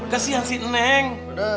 kesian si neng